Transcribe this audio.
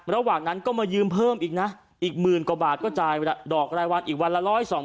ระหว่างนั้นก็มายืมเพิ่มอีกนะอีกหมื่นกว่าบาทก็จ่ายดอกรายวันอีกวันละ๑๒๐๐